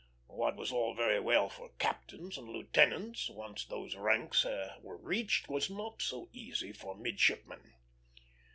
What was all very well for captains and lieutenants, once those ranks were reached, was not so easy for midshipmen.